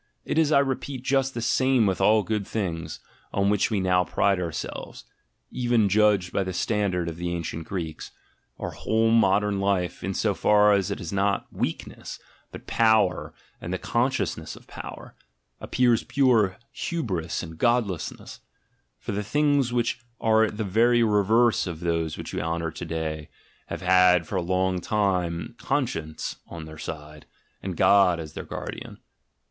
It is, I repeat, just the same with all good things, on which we now pride ourselves; even judged by the standard of the ancient Greeks, our whole modern life, in so far as it is not weak ness, but power and the consciousness of power, appears pure "Hybris" and godlessness: for the things which are the very reverse of those which we honour to day, have had for a long time conscience on their side, and God as their guardian.